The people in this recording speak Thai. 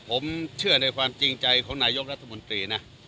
ผมเชื่อในความจริงใจของนายกรัฐมนตรีนะ